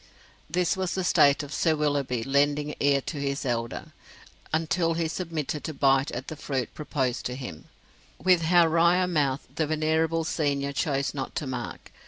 This was the state of Sir Willoughby lending ear to his elder, until he submitted to bite at the fruit proposed to him with how wry a mouth the venerable senior chose not to mark.